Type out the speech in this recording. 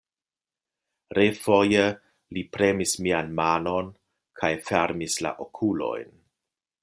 Refoje li premis mian manon kaj fermis la okulojn.